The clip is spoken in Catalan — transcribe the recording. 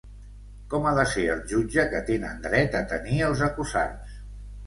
Com ha de ser el jutge que tenen dret a tenir els acusats?